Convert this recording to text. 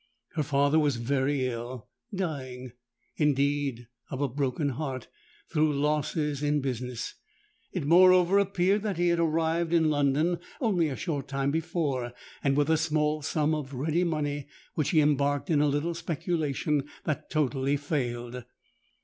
Her father was very ill—dying, indeed, of a broken heart, through losses in business. It moreover appeared that he had arrived in London only a short time before, and with a small sum of ready money, which he embarked in a little speculation that totally failed.